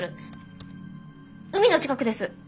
海の近くです。